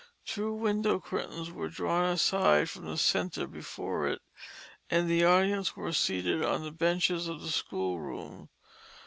Two window curtains were drawn aside from the centre before it and the audience were seated on the benches of the schoolroom.